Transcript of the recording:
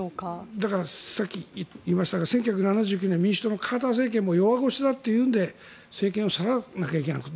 だからさっき言いましたが１９７９年民主党のカーター政権も弱腰だというので政権を去らないといけなかった。